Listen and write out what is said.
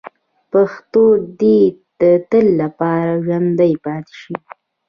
پښتو دې د تل لپاره ژوندۍ پاتې شي.